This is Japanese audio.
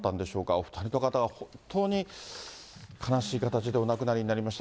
お２人の方は本当に悲しい形でお亡くなりになりました。